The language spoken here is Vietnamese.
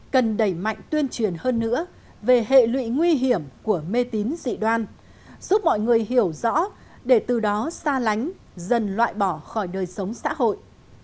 cần đẩy mạnh tuyên truyền hơn nữa về hệ lụy nguy hiểm của mê tín dị đoan giúp mọi người hiểu rõ để từ đó xa lánh dần loại bỏ khỏi đời sống xã hội